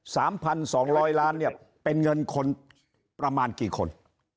สามพันสองร้อยล้านเนี่ยเป็นเงินคนประมาณกี่คน